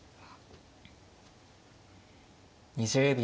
２０秒。